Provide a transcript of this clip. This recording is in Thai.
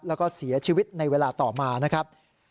แล้วก็เสียชีวิตในเวลาต่อมานะครับ